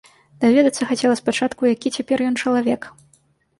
Даведацца хацела спачатку, які цяпер ён чалавек.